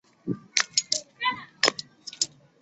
已经接近末期